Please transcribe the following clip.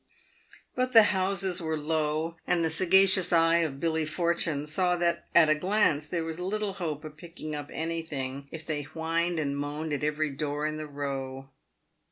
But the houses were low, and the sagacious eye of Billy Fortune saw at a glance that there was little hope of picking up anything if they whined and moaned at every door in the row.